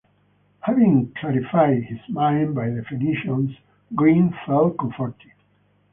Having clarified his mind by definitions, Green felt comforted.